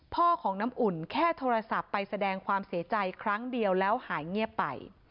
ของน้ำอุ่นแค่โทรศัพท์ไปแสดงความเสียใจครั้งเดียวแล้วหายเงียบไป